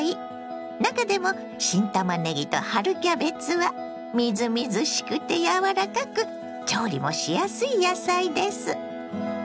中でも新たまねぎと春キャベツはみずみずしくて柔らかく調理もしやすい野菜です。